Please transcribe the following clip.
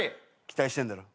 期待してんだろ？